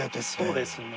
そうですね。